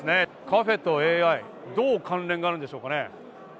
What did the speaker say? カフェとＡＩ、どう関連があるんでしょうかね。